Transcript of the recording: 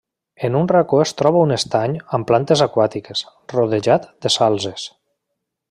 En un racó es troba un estany amb plantes aquàtiques, rodejat de salzes.